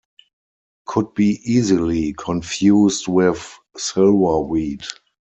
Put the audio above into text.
Could be easily confused with silverweed.